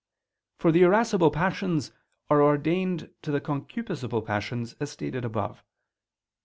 For the irascible passions are ordained to the concupiscible passions, as stated above (A.